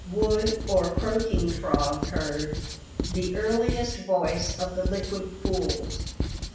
Wood, or croaking frog heard; "the earliest voice of the liquid pools."